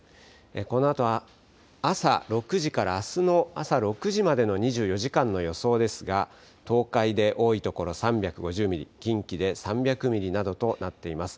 このあと、朝６時からあすの朝６時までの２４時間の予想ですが、東海で多い所３５０ミリ、近畿で３００ミリなどとなっています。